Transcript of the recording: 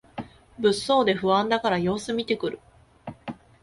物騒で不安だから様子みてくる